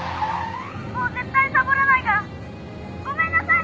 「もう絶対サボらないから。ごめんなさい！」